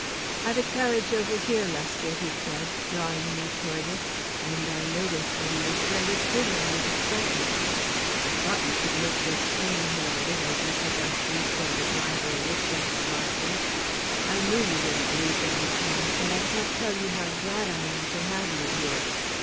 "I've a carriage over here, Lester," he said, drawing me toward it, and I noticed that he was fairly quivering with excitement. "I thought you could make this train," he added, as we took our seats and the driver whipped up smartly. "I knew you wouldn't lose any time, and I can't tell you how glad I am to have you here.